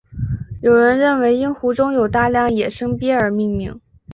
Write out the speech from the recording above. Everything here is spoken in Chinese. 有人认为因湖中有大量野生鳖而命名。